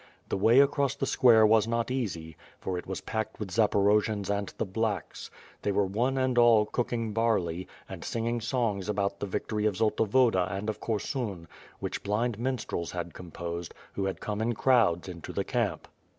The way across t'he square was not easy, for it was packed with Zaporojians and the "blacks." They were one and all cooking barley, and singing songs about the victory of Zolta Woda and of Korsun, which blind minstrels had composed, who had come in crowds into the camp.